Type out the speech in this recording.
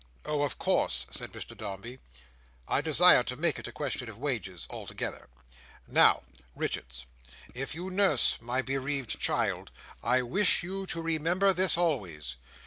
"Oh, of course," said Mr Dombey. "I desire to make it a question of wages, altogether. Now, Richards, if you nurse my bereaved child, I wish you to remember this always.